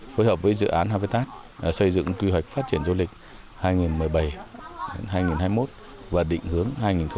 phối hợp với dự án havta xây dựng quy hoạch phát triển du lịch hai nghìn một mươi bảy hai nghìn hai mươi một và định hướng hai nghìn ba mươi